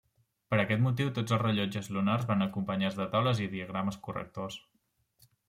Per aquest motiu tots els rellotges lunars van acompanyats de taules i diagrames correctors.